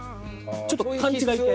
ちょっと勘違い系。